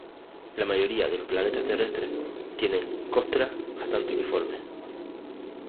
La mayoría de los planetas terrestres tienen costras bastante uniformes.